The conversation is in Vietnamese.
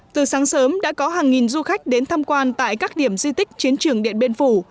từ sáng sớm đã có hàng nghìn du khách đến thăm quan tại các điểm di tích chiến trường điện biên phủ